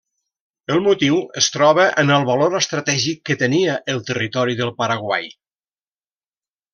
El motiu es troba en el valor estratègic que tenia el territori del Paraguai.